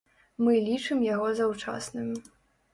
Мы лічым яго заўчасным.